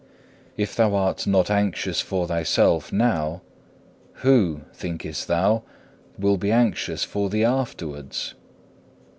If thou art not anxious for thyself now, who, thinkest thou, will be anxious for thee afterwards?